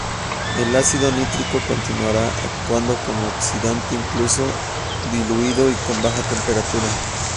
El ácido nítrico continuará actuando como oxidante incluso diluido y con baja temperatura.